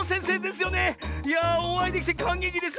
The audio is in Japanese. いやあおあいできてかんげきです